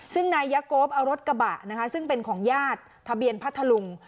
ซึ่งนายยะโก๊ปเอารถกระบะนะคะซึ่งเป็นของญาติทะเบียนพัทธลุง